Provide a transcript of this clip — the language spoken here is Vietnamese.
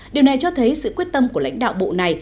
điều này cho thấy sự quyết tâm của lãnh đạo bộ này